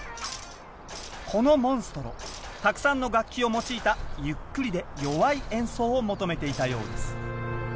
このモンストロたくさんの楽器を用いたゆっくりで弱い演奏を求めていたようです。